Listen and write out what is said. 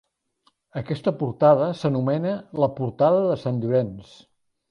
Aquesta portada s'anomena la Portada de Sant Llorenç.